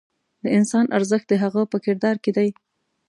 د انسان ارزښت د هغه په کردار کې دی.